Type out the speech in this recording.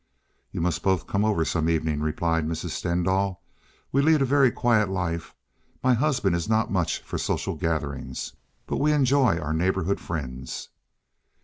"You must both come over some evening," replied Mrs. Stendahl. "We lead a very quiet life. My husband is not much for social gatherings. But we enjoy our neighborhood friends."